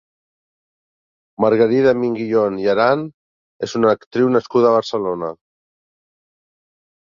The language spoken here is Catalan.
Margarida Minguillón i Aran és una actriu nascuda a Barcelona.